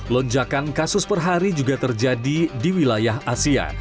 lonjakan kasus perhari juga terjadi di wilayah asia